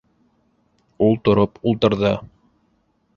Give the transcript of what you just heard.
Ул тороп ултырҙы.